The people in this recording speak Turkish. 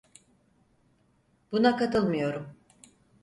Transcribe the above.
Buna katılmıyorum.